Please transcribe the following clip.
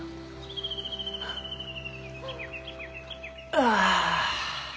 ああ。